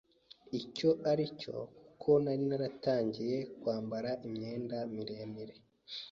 icyo ari cyo kuko nari naratangiye kwambara imyenda miremire,